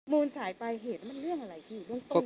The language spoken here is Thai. มูลสายปลายเหตุมันเรื่องอะไรที่เบืองตน